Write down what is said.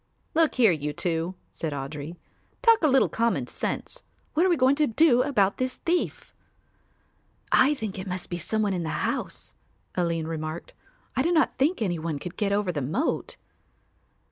"Look here, you two," said Audry, "talk a little common sense. What are we going to do about this thief?" "I think it must be some one in the house," Aline remarked. "I do not think any one could get over the moat."